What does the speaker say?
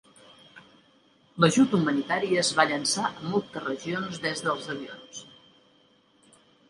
L'ajut humanitari es va llençar a moltes regions des dels avions.